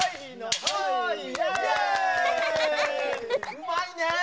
うまいねぇ！